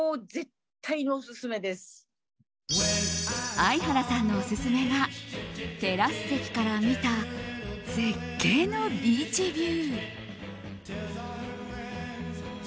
相原さんのオススメがテラス席から見た絶景のビーチビュー。